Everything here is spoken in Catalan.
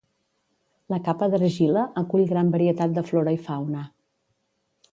La capa d'argila acull gran varietat de flora i fauna.